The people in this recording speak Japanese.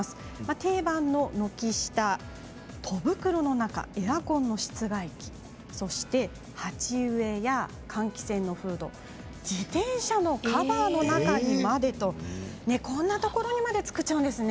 定番の軒下、戸袋の中エアコンの室外機鉢植え、換気扇のフードそして自転車のカバーの中にまでこんなところにまで作っちゃうんですね。